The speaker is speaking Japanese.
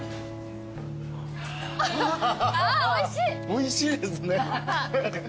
おいしいですね。